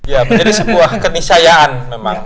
ya menjadi sebuah kenisayaan memang